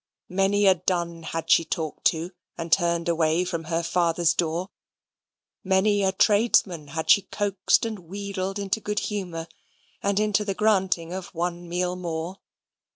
Many a dun had she talked to, and turned away from her father's door; many a tradesman had she coaxed and wheedled into good humour, and into the granting of one meal more.